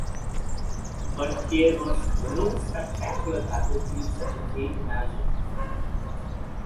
But here was no spectacular battle-field such as he imagined.